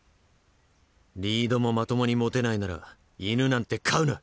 リードもまともに持てないなら犬なんて飼うな。